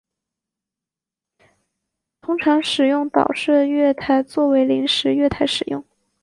通常使用岛式月台作为临时月台使用。